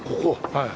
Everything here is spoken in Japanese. はい。